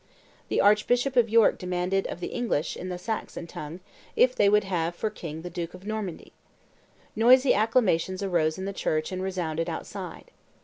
The archbishop of York demanded of the English, in the Saxon tongue, if they would have for king the duke of Normandy. Noisy acclamations arose in the church and resounded outside.